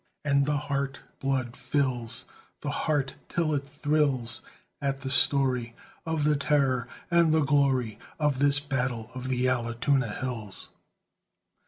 And the heart blood fills The heart, till it thrills At the story Of the terror and the glory Of this battle of the Allatoona hills!